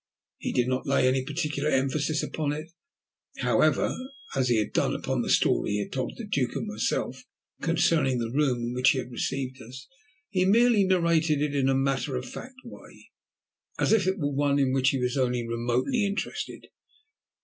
He did not lay any particular emphasis upon it, however, as he had done upon the story he had told the Duke and myself concerning the room in which he had received us. He merely narrated it in a matter of fact way, as if it were one in which he was only remotely interested.